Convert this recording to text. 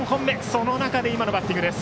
その中で今のバッティングです。